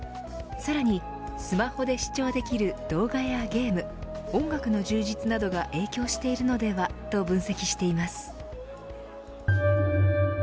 さらにスマホで視聴できる動画やゲーム音楽の充実などが影響しているのではと分析しています。